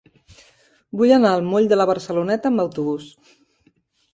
Vull anar al moll de la Barceloneta amb autobús.